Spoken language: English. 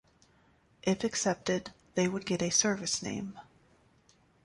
If accepted they would get a service name.